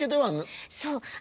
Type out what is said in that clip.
そう。